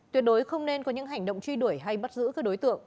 tuyệt đối không nên có những hành động truy đuổi hay bắt giữ các đối tượng